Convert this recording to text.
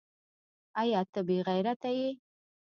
ایا ته بې غیرته یې ؟